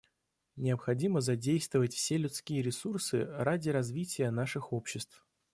Необходимо задействовать все людские ресурсы ради развития наших обществ.